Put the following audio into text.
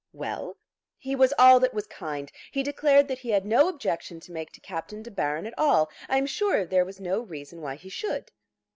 "Well?" "He was all that was kind. He declared that he had no objection to make to Captain De Baron at all. I am sure there was no reason why he should."